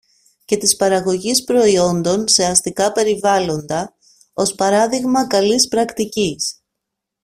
και της παραγωγής προϊόντων σε αστικά περιβάλλοντα, ως παράδειγμα καλής πρακτικής